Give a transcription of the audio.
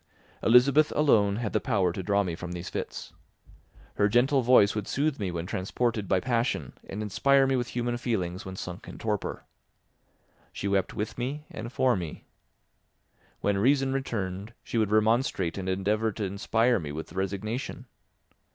Elizabeth alone had the power to draw me from these fits; her gentle voice would soothe me when transported by passion and inspire me with human feelings when sunk in torpor. She wept with me and for me. When reason returned, she would remonstrate and endeavour to inspire me with resignation.